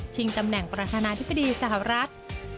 ตำแหน่งประธานาธิบดีสหรัฐ